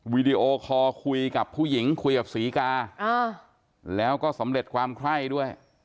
วีดีโอคอร์คุยกับผู้หญิงคุยกับศรีกาแล้วก็สำเร็จความไคร้ด้วย